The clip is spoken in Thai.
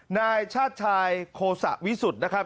นายชาติชายโคสะวิสุทธิ์นะครับ